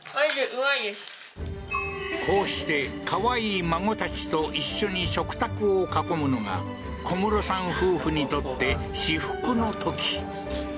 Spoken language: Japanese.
こうして、かわいい孫たちと一緒に食卓を囲むのが小室さん夫婦にとって至福の時。